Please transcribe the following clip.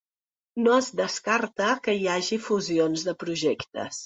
No es descarta que hi hagi fusions de projectes.